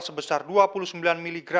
kondisi kondisi tersebut menunjukkan